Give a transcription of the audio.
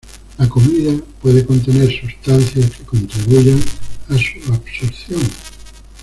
La comida puede contener sustancias que contribuyan a su absorción.